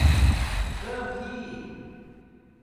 เริ่มที่